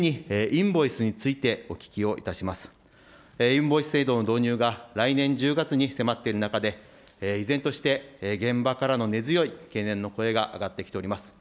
インボイス制度の導入が来年１０月に迫っている中で、依然として現場からの根強い懸念の声が上がってきております。